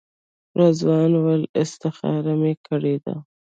رضوان وویل استخاره مې کړې ده.